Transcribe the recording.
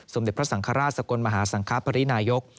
เด็จพระสังฆราชสกลมหาสังคปรินายก